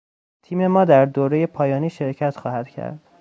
تیم ما در دورهی پایانی شرکت خواهدکرد.